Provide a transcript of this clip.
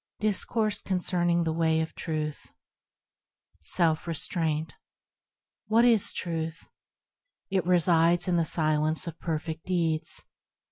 Discourse Concerning The Way of Truth 1. Self Restraint WHAT is Truth ? It resides in the silence of Perfect Deeds.